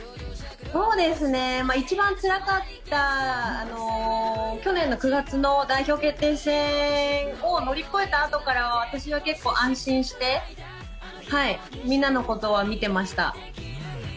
一番つらかった去年の９月の代表決定戦を乗り越えたあとからは私は結構、安心してみんなのことは見ていました。